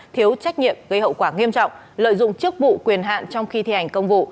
thiếu trách nhiệm gây hậu quả nghiêm trọng lợi dụng chức vụ quyền hạn trong khi thi hành công vụ